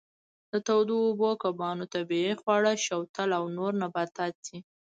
د تودو اوبو کبانو طبیعي خواړه شوتل او نور نباتات دي.